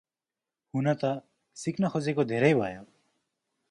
हुन त, सिक्न खोजेको धेरै भयो।